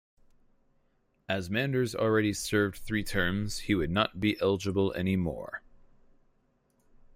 As Manders already served three terms he would not be eligible anymore.